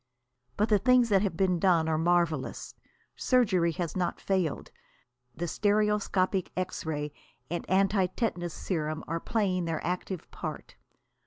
But the things that have been done are marvellous. Surgery has not failed. The stereoscopic X ray and antitetanus serum are playing their active part.